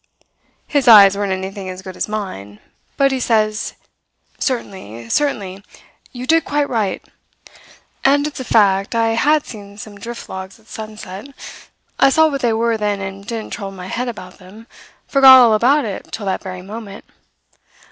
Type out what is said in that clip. "His eyes weren't anything as good as mine. But he says: "'Certainly. Certainly. You did quite right.' "And it's a fact I had seen some drift logs at sunset. I saw what they were then and didn't trouble my head about them, forgot all about it till that very moment.